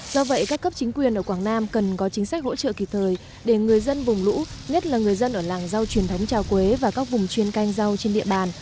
do vậy các cấp chính quyền ở quảng nam cần có chính sách hỗ trợ kịp thời để người dân vùng lũ nhất là người dân ở làng rau truyền thống trà quế và các vùng chuyên canh rau trên địa bàn